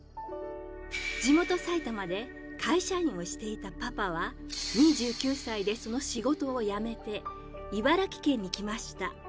地元埼玉で会社員をしていたパパは２９歳でその仕事を辞めて茨城県に来ました。